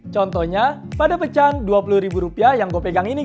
contohnya pada pecahan rp dua puluh yang gue pegang ini